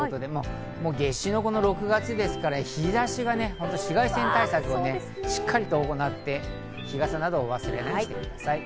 夏至の６月ですから、紫外線対策をしっかりと行って、日傘などを忘れないようにしてください。